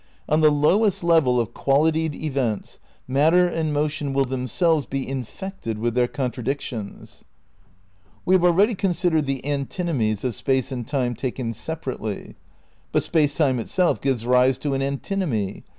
On the lowest level of qualitied events matter and motion will themselves be "in fected" with their contradictions. We have already considered the antinomies of Space and Time taken separately. But Space Time itself gives rise to an antinomy.